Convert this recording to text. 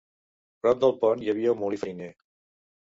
Prop del pont hi havia un molí fariner.